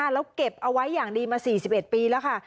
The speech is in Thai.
แล้วเก็บเอาไว้อย่างดีมา๔๑ปีแล้วค่ะ